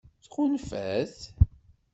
Tɣunfa-t?